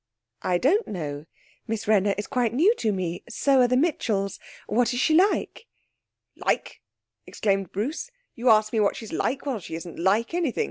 'I don't know. Miss Wrenner is quite new to me. So are the Mitchells. What is she like?' 'Like!' exclaimed Bruce. 'You ask me what she's like! Why, she isn't like anything.